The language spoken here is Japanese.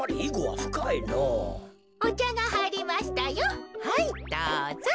はいどうぞ。